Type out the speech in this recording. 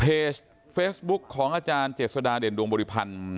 เพจเฟซบุ๊คของอาจารย์เจษฎาเด่นดวงบริพันธ์